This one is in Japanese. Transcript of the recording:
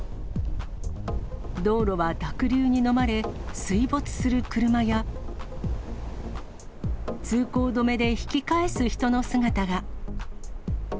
道路は濁流にのまれ、水没する車や、通行止めで引き返す人の姿が。